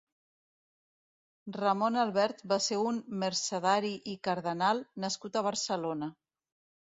Ramon Albert va ser un «Mercedari i cardenal» nascut a Barcelona.